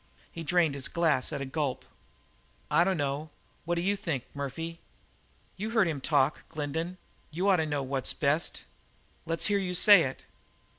He drained his glass at a gulp. "I dunno; what d'you think, Murphy?" "You heard him talk, Glendin. You ought to know what's best." "Let's hear you say it."